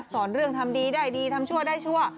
สอนเรื่องทำดีได้ดีทำชั่วได้ชั่ว